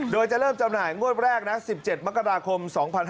โดยจะเริ่มจำหน่ายงวดแรกนะ๑๗มกราคม๒๕๖๒